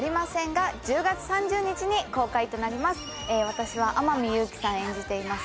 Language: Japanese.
私は天海祐希さん演じています